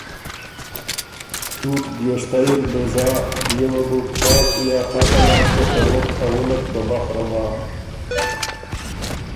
ټُوټ دیوشتئ اِر بُو زا بيې وه بو تاک یا خاکه لاسته ته وک ا وُلّک په بخره بَۀ